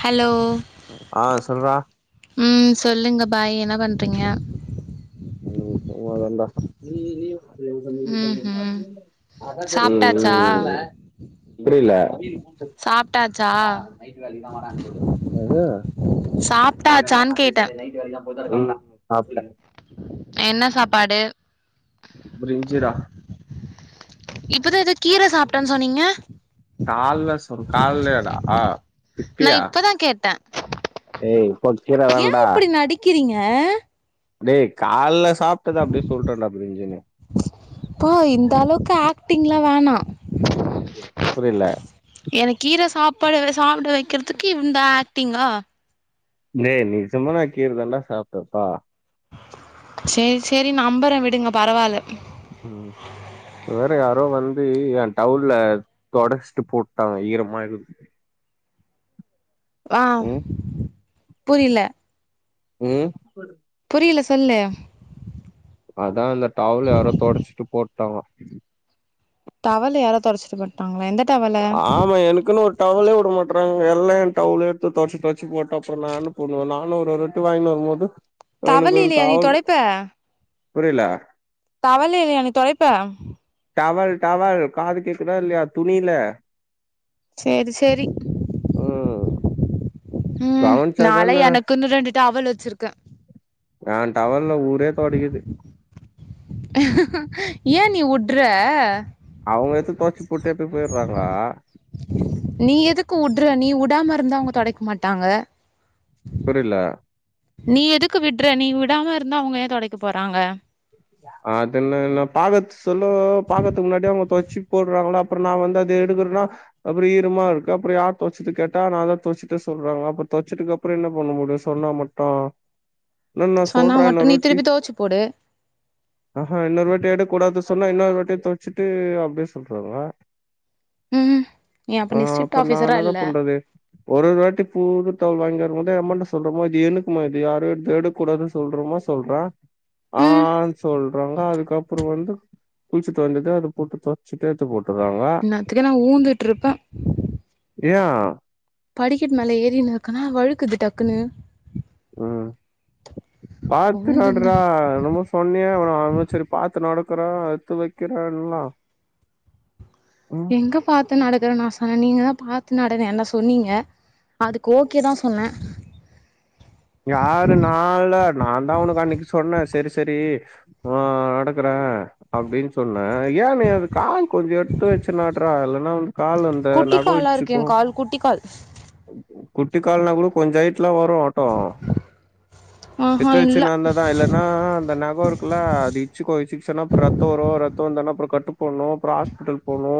Hello ஆ சொல்றா ம் சொல்லுங்க பாய் என்ன பண்றீங்க ம் சும்மாதான்டா ம் ம் ம் சாப்பிட்டாச்சா ம் புரில சாப்பிட்டாச்சா என்னது சாப்ட்டாச்சான் கேட்டே ம் சாப்ட்டே என்ன சாப்பாடு பிரிஞ்சிடா இப்பதா எதோ கீர சாப்ட்டேன் சொன்னீங்க கால்லே சொ கால்லேடா ஆ நா இப்பதா கேட்டே டேய் பொக்கிர ஏ தான்டா இப்டி நடிக்கிறீங்க டேய் கால்ல சாப்ட்டத அப்டியே சொல்ட்டேன்டா பிரிஞ்சினு பா இந்தளவுக்கு ஆக்டிங்லா வேணா புரில என கீர சாப்பாடு சாப்ட வெக்கிறதுக்கு இந்த ஆக்ட்டிங்கா டே நிஜமா நா கீரதாண்டா சாப்ட்டே பா சேரி செரி நம்பறே விடுங்க பரவால்ல ம் வேற யாரோ வந்து ஏ டவுலீல தொடச்ட்டு போட்டாங்க ஈரமா இக்குது ஆ ம் புரில ம் புரில சொல்லு அதா அந்த டவுல யாரோ தொடச்ட்டு போட்டாவ்ங்க டவல யாரோ தொடச்ட்டு போட் டாங்க எந்த டவல் ஆமா எனக்குனு ஒர் டவுலே விட மாட்றாங்க எல்லா ஏ டவுல எடுத்து தொட்ச்சு தொட்ச்சு போட்டா அப்றோ நா என்ன பண்ணுவே நானு ஒரு ஒரு டி வாங்கினு வரும் போது எனக்கு ஒரு தவலைலையா நீ டவுல் தொடைப்ப புரில தவலேலியா நீ தொடைப்ப டவல் டவல் காது கேக்குதா இல்லையா துணில சேரி சேரி ம் ம் நாலா கவனிச்சாதான எனக்குன்னு ரெண்டு டவல் வச்சிருக்கே ஏ டவல்ல ஊரே தொடைக்குது ஏ நீ உட்ற அவுங்க எத்து தொச்சி போட்டு எத்து போயிட்றாங்க நீ எதுக்கு உட்ற நீ உடாமருந்தா அவுங்க தொடைக்க மாட்டாங்க புரில நீ எதுக்கு விட்ற நீ விடாமருந்தா அவுங்க ஏ தொடைக்க போறாங்க அது என்ன என்ன பாக்கத் சொல்லொ பாக்கதுக்கு முன்னாடி அவுங்க தொச்சி போடுறாங்ளா அப்றோ நா வந்து அத எடுக்குற்னா அப்றோ ஈரமா இருக்கு அப்றோ யாரு தொச்சுது கேட்டா நாந்தா தொச்சிட்டே சொல்றாங்க அப்ப தொச்சிதுக்கப்றோ என்ன பண்ண முடியூ சொன்னா மட் டூ இல்ல நா சொல்றே இன்னொரு வாட்டி தோச்சி போடு ஆஹா இன்னொரு வாட்டி எடுக்கூடாது சொன்னா இன்னொரு வாட்டி தொட்ச்சுட்டு அப்டியே சொல்றாங்க ம் நீ ஆ நீ ஸ்ட்ரிக்ட் அப்ப நா ஆஃபீசரா என்னதா இல்ல பண்றது ஒரு ஒரு வாட்டி பூது டவுல் வாங்கி வரும் போது ஏம்மாட்ட சொல்றே மா இது எனக்குமா இது யாரூ இது எடுக் கூடாது சொல்றோமா சொல்றே ஆ ம் ஆ சொல்றாங்க அதுக்கப்புறோ வந்து குள்ச்சுட்டு வந்துட்டு அது போட்டுப்ப. சுட்டெத்து போட்டுர்றாங்க. இந்நேரத்துக்கு நா ஊந்துட்டு இருப்பே ஏ? படிக்கட் மேல ஏறினுக்கனா வழுக்குது டக்குனு. ம் பாத்து உழுந்திருந்தா நட்ரா என்னமோ சொ ன்னியே [unintelligible] செரி பாத்து நடக்குறே எத்து வெக்கிறேன்ல்லா. ம் எங்க பாத்து நடக்கறன் நா சொன்னே நீங்க தா பாத்து நடன் என்ன சொன்னீங்க. அதுக்கு ஓகே தா சொன்னே. யாரு நா இல்ல நாந்தா உனக்கு அன்னிக்கு சொன்னே செரி செரி. உ உ நடக்குறே. அப்டின் சொன்னே ஏ நீ அது கால் கொஞ்சொ எட்த்து வெச்சு நட்றா இல்லனா வந்து கால் அந்த நகோ இ யாருக்கு எங் கால் குட்டி கால். குட்டி கால்னா கூட கொஞ்ச ஹைட்ல வரு. ட்டு ஆஹா எத்து வெச்சு இல்ல நந்தாதா இல்லன்னா அந்த நகோரு குல்ல அது இட்ச்சுக்கு இட்ச்சிகிச்சினா அப்ற ரத்தோ வரு ரத்தொ வந்தோன அப்புற கட்டு போட்ணு அப்புறோ ஹாஸ்பிட்டல் போணு.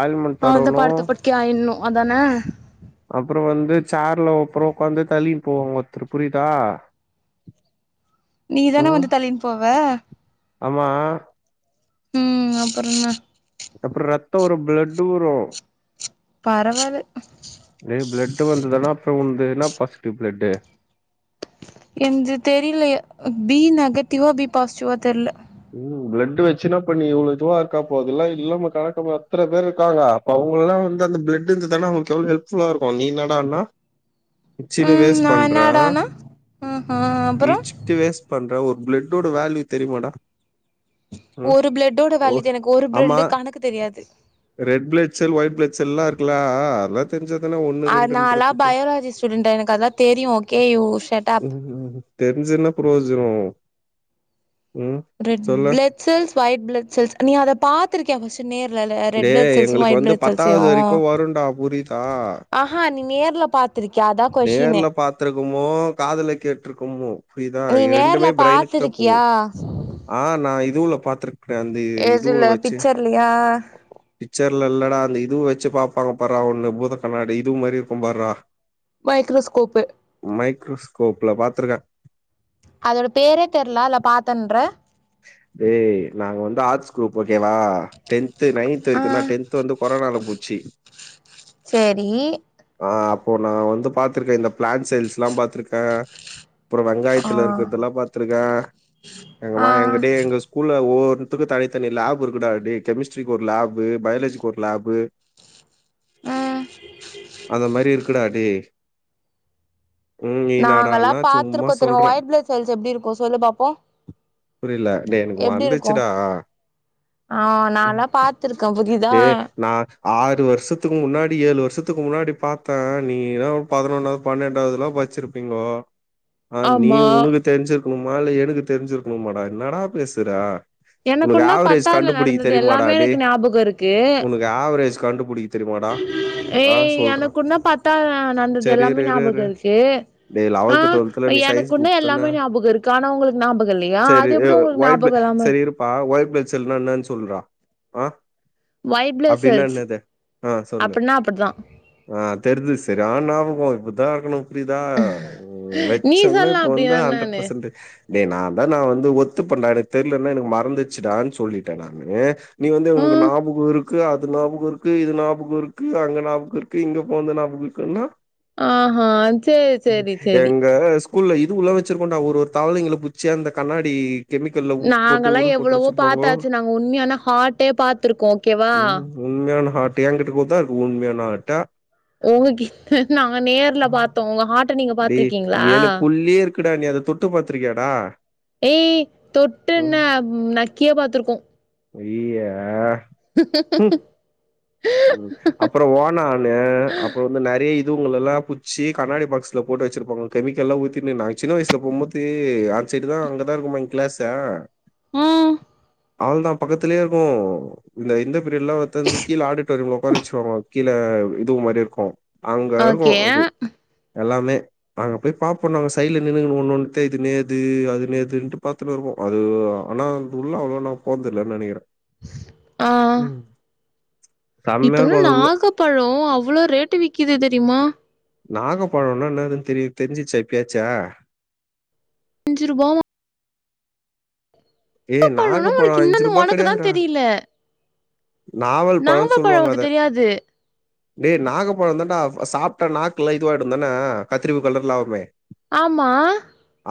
ஆயில்மென் அவுள்தா படுத்த படுக்கியாயின்னு அதான? அப்புறோ வந்து சேர்ல அப்புறோ உக்காந்து தள்ளி போவோங்க திரு புரிதா? நீ தான வந்து தள்ளின் போவ? ஆமா. ம் அப்றோ என்னா? அப்ற் ரத்தோ வரு பிளட்டு வரு. பரவால. ஏ பிளட்டு வந்துதுன்னா அப்றோ உன்து என்னா பாசிட்டிவ் பிளட்டு? என்து தெரில எ பி நெகட்டிவா பி பாசிட்டிவா தெர்ல. ம் பிளட்டு வெச்சினா ப்ப பண்ணி இவ்ளோ இதுவா இருக்கா அப்போ அது எல்லா இல்லாம காட்டமா அத்தன பேர் இருக்காங்க. அவுங்கல்லா வந்து அந்த பிளட்டு இருந்துதான அவுங்ளுக் எவ்ளோ ஹெல்ஃபுல்லா இருக்கு நீ இன்னடானா? இச்சுனு ம் வேஸ் நா பண்ற என்னடானா ஆஹா அப்புறோ இச் சிட்டு வேஸ் பண்ற ஒரு பிளட்டோட வேல்யூ தெரியுமாடா? ம் ஒரு பிளட்டோட ஓ வேல்யூ தா எனக்கு ஒரு ஆமா பிளல்டு கணக்கு தெரியாது. ரெட் பிளட்செல் ஒயிட் பிளட்செல் எல்லா இருக்குல அதல்ல தெரிஞ்சா தான ஒன் அ அது நால்லா பயோலாஜி ஸ்டூடென்டு எனக்கு அதெல்லா தெரியு ஓகே யூ ஷெட்டப். ம் தெரிஞ்சு என்ன புரயோஜனோ ம். ரெட் சொல்லு blood cells white blood cells நீ அத பாத் திருக்கியா ஃபஸ்ட்டு நேர்ல லெ டே ரெட் பிளட் செல்சு எங்களுக்கு ஒயிட் வந்து பிளட் செல்சயு. பத்தாவது வரைக்கு வருண்டா புரியுதா ஆஹா நீ நேர்ல பாத்திருக்கியா அதா கொஷினு. த்துருக்குமோ காதுல கேட்ருக்குமோ புரியுதா நீ இது நேர்ல ரெண்டுமே பிரெய்னுக்கு தா போவு. பாத்திருக்கியா ஆ நா இது உள்ள பாத்துருக்றே அந்த இ இது உள்ள அ பிச்சர்லி அ அ. பிச்சர்ல இல்லடா அந்த இதுவு வெச்சு பாப்பாங்க பாரா ஒன்னு பூத கண்ணாடி இதுவு மாரி இருக்கு பார்றா. [inaudible] மைக்ரோஸ்கோப்பு. மைக்ரோஸ்கோப்ல பாத்துருகே. அதோட பேரே தெர்ல அதுல பாத்தன்ற. டே நாங்க வந்து ஆட்ஸ் குருப் ஓகேவா டென்த்து நைன்த்து ஆ வரைக்குந் தா டென் த்து வந்து கொரோனால போச்சி. சேரி. ஆ அப்போ நா வந்து பாத்திருக்கே இந்த பிளான் செல்ஸ்லா பாத்திருக்கே. அப்றோ ஆ வெங்காயத்துல இருக்குறதுலா பாத்துருக்கே [inaudible] ங்க வாயே ஏங்கிட்டே எங்கஸ் ஸ்கூல்ல ஒவ்வொனுத்து தனித்தனி லேப் இருக்குடா டேய் கெமிஸ்ட்ரிக்கு ஒரு லேப்பு பயாலஜிக்கு ஒரு லேப்பு ம் அந்த மாரி இருக்குடா டே ம் நீ நாங்க எல்லா என்னாடான்னா சும்மா பாத்துருக்கோ தெரியு மா சொல்ற ஒயட் பிளட் செல்ஸ் எப்டி இருக்கு சொல்லு பாப்போ புரியல டே எனக்கு எப்டி இருக்கு வந்துச்சுடா ஆ நா எல்லா பாத்து ஏ நா ஆறு வருஷத்துக்கு முன்னாடி ஏழு வருஷத்துக்கு முன்னாடி பாத்த நீயெல்லா பதினொன்னாவது பன்னெண்டாவது எல்லா ப ச்சு இருப்பீங்கோ ஆ நீ ஆமா உனக்கு தெரிஞ்சி இருக்கணுமா இல்ல எனக்கு தெரிஞ்சி இருக்கணுமாடா என்னடா பேசுற உனக்கு எனக்குன்னா ஆவரேஜ் பத்தாதுல கண்டுபுடிக்க நடந்தது எல்லாமே எனக்கு ஞாபகோ இருக்கு ஒனக்கு ஆவரேஜ் கண்டுபுடிக்க தெரியுமாடா ஆ ஏய் சொல்றா எனக்குன் தா பத்தாவதுல நடந்தது சரி எல்லாமே இரு இரு இரு ஞாபகதுல இருக்கு டேய் ஆ லெவல்த் டுவெல்த்ல நீ சயின்ஸ் எனக்குன்னா குரூப் தான எல்லாமே ஞாபகோ இருக்கு ஆனா ஒங்களுக்கு ஞாபகோ இல்லையா அது எப்டி ஒங்களுக்கு ஞா சேரி இருப்பா ஒயிட் பிளட் செல்னா என்னானு சொல்றா ஆ ஒயிட் பிளட் அப்புடின்னா செல்ஸ் என்னது ஆ சொல்லு அப்டின்னா அப்டிதா ஆ தெர்து செரியான ஞாபகோ இப்பித்தா இருக்கணு புரியதா உஉஉ வேத் நீ சொன்ன சொல்லா இப்ப வந்தா அப்டின்னா ஹண்டரட் என்னானு பர்சன்டு ஏ நா தா நா வந்து ஒத்துப்பெண்டா எனக்கு தெர்லென்னா எனக்கு மறந்துச்சுடான்னு சொல்லிட்டே நானு நீ வந்து எங்களுக்கு ம் ஞாபகோ இருக் கு அது ஞாபகோ இருக்கு இது ஞாபகோ இருக்கு அங்க ஞாபகோ இருக்கு இங்க போந்தா ஞாபகோ இருக்குன்னா ஆ ஆ செரி செரி செரி எங்க ஸ்கூல்ல இது உள்ள வச்சிருக்கோண்டா ஒரு தவளைங்கள புட்ச்சி அந்த கண்ணாடி கெமிக்கல்ல உப்பு போட்டு உள் போட்டு வெச்சிருப்பாங்கோ உண்மையானா ஹார்ட்டே பாத்துருக்கோ ஓகேவா ம் உண்மையான ஹாட்ர்டு என்கிட்ட கூடதா இருக்கு உண்மையான ஹாட்ர்டு உங்க கிட்ட நாங்க நேர்ல பாத்தோ ஒங்க ஹார்ட்ட நீங்க பாத்துருக்கீங்களா உள்ளே இருக்குடா நீ அதத் தொட் டு பாத்திருக்கியாடா ஏய் தொட்டு என்னா நக்கியே பாத்துருக்கோ அய் ஏ உம் அப்றோ ஓனானு அப்றோ வந்து நெறைய இதுவுங்கலளா புட்ச்சி கண்ணாடி பாக்ஸ்ல போட்டு வெச்சிருப்பாங்க கெமிக்கெல்லா ஊத்தினு நாங்க சின்ன வயசுல போம்போது அந்த சைடு தா அங்கதா இருக்குமா எங்க கிளாஸ்செ உம் அவ்ளோதா பக்கத்திலயே இருக்கு இந்த இந்த பிரியெட் எல்லா ஒக்கந்து கீழ ஆடு டோரீம்ல உக்கார வெச்சு இருவாங்கோ கீழ இதுவு மாரி இருக்கு அங்க இருக்கு ஓகே அது எல்லாமே நாங்க போய் பாப்போ நாங்க சைடுல நின்னுக்குனு ஒன்னு தென்னுத்து இது நேது அது நேதுன்னு பாத்துனு இருப்போ அது ஆனா அந்த உள்ள அவ்ளோவா நா போனந்து இல்லனு நெனைக்கிறே ஆ ஆ செம்மையா இப்ப எல்லா இருக்கு அது உள்ள நாகப்பழோ அவ்ளோ ரேட்டு விக்குது தெரியுமா நாகப்பழோனா நேதுனு தெரியு தெரிஞ்சிச்சா இப்பியாச்சு அஞ்சு ரூபாவா ஏ பழம்னா நாகப்பழோ உனக்கு அஞ்சு இன்னொன்னு ரூபா உனக்கு தா கெடையாதுறா தெரியல நாவல் நாவ பழோனு பழம் சொல்லுவாங்க உனக்கு அத தெரியாது டேய் நாகப்பழோ தான்டா சாப்ட்டா நாக்குல்ல இதுவாயிடு தான கத்திரிப்பு கலர்ல ஆவுமே ஆம்மா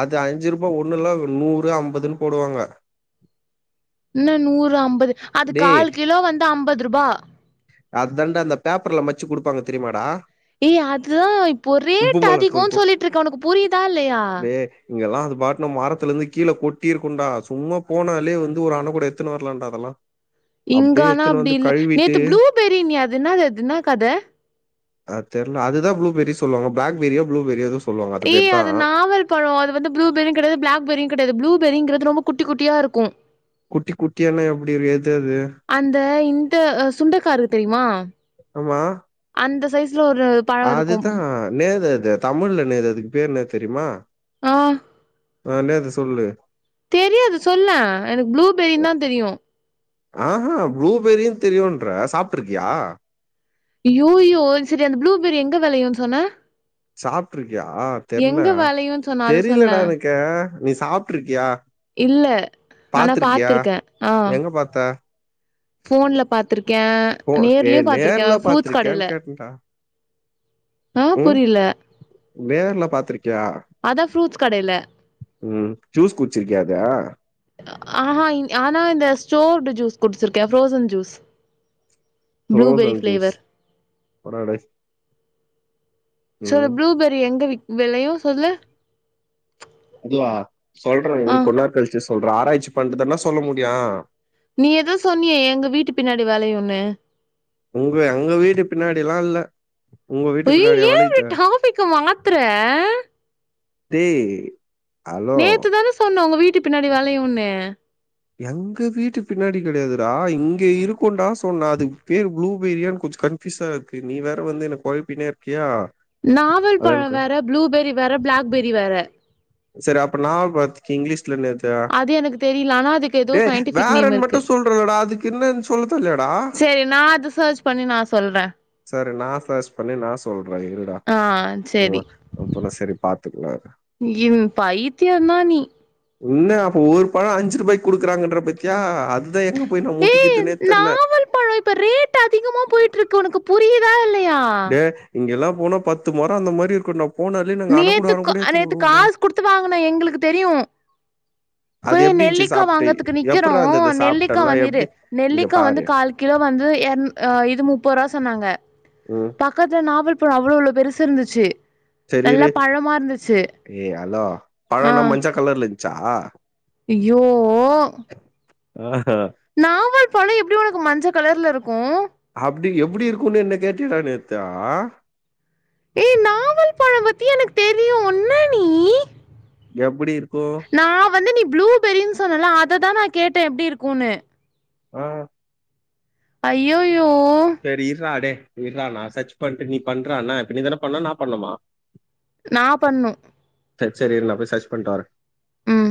அது அஞ்சுருபா ஒன்னு இல்னா நூறு அம்பதுன் போடுவாங்க என்ன நூறு அம்பது அது டேய் கால் கிலோ வந்து அம்பதுருபா அத்தாண்டா அந்தப் பேப்பர்ல மச்சு குடுப்பாங்க தெரியுமாடா ஏய் அதுதா இப்போ உப்பு மொளகாத்தூள் ரேட்டதிகோன் போட்டு சொல்லிட்ருக்க ஒனக்கு புரிதா இல்லயா இங்கலா அது பாட்னும் மரத்துலந்து கீழ கொட்டி இருக்குன்டா சும்மா போனாலே வந்து ஒரு அண்ண கூட எத்துனு வர்லான்டா அதல்லா இங்கானா அப்டி இல்ல நேத்து ப்ளூபெரின்னியே அது என்னாது அது இன்னா கத அத் தெர்ல அதுதா ப்ளூபெரி சொல்லுவாங்க பிளாக்பெரியோ ப்ளூபெரியோ எதோச் ஏ அது நாவல்ப் பழ அது வந்து புளூ பெரியுங் கெடையாது பிளாக் பெரியுங் கெடையாது புளூ பெரிங்கிறது ரொம்ப குட்டி குட்டியாருக்கு குட்டி குட்டியானா எப்டிருக் எது அது அந்த இந்த அ சுண்டக்கா இருக்கு தெரியுமா ஆமா அந்த சைஸ்ல ஒருப் அதுதா நேரது தமிழ்ல நேரு அதுக்கு பேரு என்னத் தெரியுமா ஆ அ நேது சொல்லு தெரியாது சொல்லே எனக்கு ப்ளூபெரின்தா தெரியு ஆஹா ப்ளூபெரியின் தெரியுன்ற சாப்ட்ருக்கியா யோயோ செரி அந்த ப்ளூபெரி எங்க வெளையுன் சொன்ன சாப்ட்ருக்கியா தெர்ல எங்க வெளையுன் சொன்ன அத சொல்லே தெரிலடா எனக்கே நீ சாப்ட்ருக்கியா இல்ல ஆனா பாத்ருக்கியா பாத்திருக்கே ஆ எங்க பாத்தா ஃபோன்ல பாத்ருக்கே போ ஏய் நேர்லியும் பாத்ருக்கே நேர்ல ஃப்ரூட்ஸ் பாத்திருக்கியான்னு கடைல கேட்டேன்டா. ஆ புரில வேர்ல பாத்ருக்கியா அதா ஃப்ரூட்ஸ் கடைல ம் ஜூஸ் குச்சிருக்கியா அத ஆஹா இன் ஆனா இந்த ஸ்டோர்டு ஜூஸ் குடிச்சிருக்கே frozen juice blueberry frozen juice flavour போடா டேய் சொல்லு ப்ளூபெரி எங்க விக் வெளையு அதுவா சொல்றே ஆ இரு கொன் நேர கழிச்சிச் சொல்ற ஆராய்ச்சி பண்ட்டுதான்டா சொல்ல முடியு நீ எதோ சொன்னியே எங்க வீட்டு பின்னாடி வெளையுனு உங்க எங்க வீடு பின்னாடிலா இல்ல உங்க வீட்டு ஒய்யோ பின்னாடியா ஏ இப்டி வளையுது? டாப்பிக்க மாத்தர டேய் ஹலோ நேத்துதான சொன்ன ஒங்க வீட்டு பின்னாடி வெளையுன்னு எங்க வீட்டு பின்னாடி கெடையாதுறா இங்க இருக்குன்டா சொன்ன அதுக்கு பேரு ப்ளூபெரியான் கொஞ்ச கன் பிஸா இக்கு நீ வேற வந்து என்ன கொழப்பினேருக்கியா நாவல் பழ வேற ப்ளூபெரி வேற பிளாக்பெரி வேற செரி அப்ப நாவல் பழத்துக்கு இங்கிலீஷ் ட்ல நேத்தே அது எனக்கு தெரியல ஆனா அதுக்கு ஏதோ டேய் சயின்டிபிக் நேம் வேறன் மட்டு இருக்கு சொல்றலடா அதுக்கு என்னன் சொல்ல தெர்லியாடா சேரி நா அது சர்ச் பண்ணி நா சொல்ற சரி நா சர்ச் பண்ணி நா சொல்ற இருடா ஆ உ அப்பதா சரி பாத்துக்குவ இம் பையித்தியந்தா நீ என்ன அப்ப ஒரு பழ அஞ்சிருபாய்க் குடுக்கறாங்கன்ற பத்தியா அதுதா எங்கப் போய் நா ஏய் முட்டிகிர்துனே தெர்ல நாவல் பழம் இப்ப ரேட் அதிகமா போயிட்ருக்கு ஒனக்கு புரியிதா இல்லயா டே இங்கிலா போனா பத்து மர அந்த மாரி இருக்குண்டாப் நேத்துக்கோ நேத்து காச் குடுத்து வாங்கன எங்குளுக்கு தெரியு அது போய் எப்டி இருந்துச்சு நெல்லிக்கா சாப்ட்டு வாங்கற்துக்கு நிக்கிறோ எப்புட்றா இருந்தது நெல்லிக்கா சாப்ட்டல்லா வந் எப்டி இரு இங்க நெல்லிக்கா பாரு வந்து கால் கிலோ வந்து எர்ண் அ இது முப்பூறா சொன்னாங்க ம் பக்கத்துல நாவல் பழ அவ்ளோ அவ்ளோ பெருசு இருந்துச்சு செரி நல்லா இரு பழமா இருந்துச்சு ஏய் ஹலோ பழ என்ன மஞ்ச கலர்ல இருஞ்ச்சா அய்யோ ஆ நாவல் பழ எப்டி உனக்கு மஞ்ச கலர்ல இருக்கும் அப்டி எப்டி இருக்கும்ன்னு என்ன கேட்டின்னா நேத்தா ஏ நாவல் பழ பத்தி எனக்கு தெரியு என்ன நீ எப்டி இருக்கும் நா வந்து நீ ப்ளூபெரின்னு சொன்னல அததா நா கேட்ட எப்டி இருக்குன்னு ஆ அய்யோயோ சரி இர்ரா டேய் இர்ரா நா சர்ச் பண்ட்டு நீ பண்றா என்ன இப்ப நீ தான பண்ணணு நா பண்ணுமா நா பண்ணு செர் செரி இரு நா போய் சர்ச் பண்ட்டு வர ம்